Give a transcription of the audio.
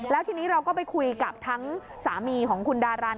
แล้วทีนี้เราก็ไปคุยกับทั้งสามีของคุณดารัน